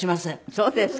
そうですか。